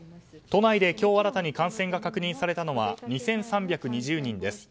都内で今日新たに感染が確認されたのは２３２０人です。